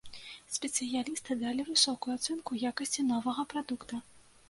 Спецыялісты далі высокую ацэнку якасці новага прадукта.